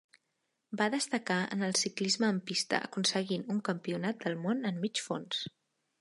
Va destacar en el ciclisme en pista aconseguint un Campionat del món en Mig Fons.